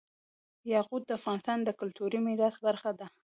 یاقوت د افغانستان د کلتوري میراث برخه ده.